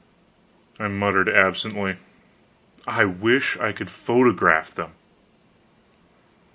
I muttered absently: "I wish I could photograph them!"